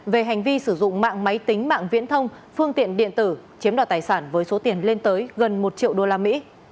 về hành vi sử dụng mạng máy tính mạng viễn thông phương tiện điện tử chiếm đoạt tài sản với số tiền lên tới gần một triệu usd